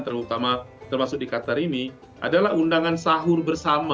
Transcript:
terutama termasuk di qatar ini adalah undangan sahur bersama